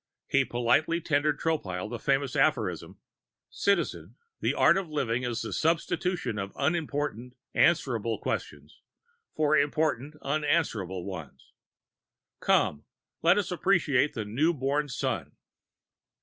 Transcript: He politely tendered Tropile a famous aphorism: "Citizen, the art of living is the substitution of unimportant, answerable questions for important, unanswerable ones. Come, let us appreciate the new born Sun."